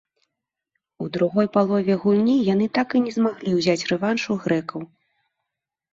У другой палове гульні яны так і не змаглі ўзяць рэванш у грэкаў.